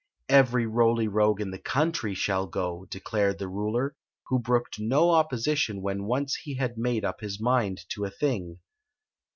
"Every Roly Rogue in the country shall g<.! declared the ruler, who brooked no opposition when once he had made up his mind to a thing.